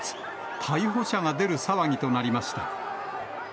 逮捕者が出る騒ぎとなりました。